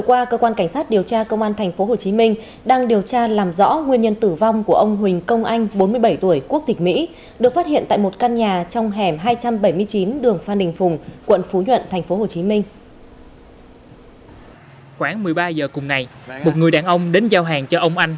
quảng một mươi ba giờ cùng này một người đàn ông đến giao hàng cho ông anh